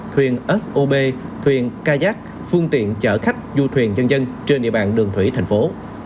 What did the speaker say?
thuyền sob thuyền kayak phương tiện chở khách du thuyền dân dân trên địa bàn đường thủy thành phố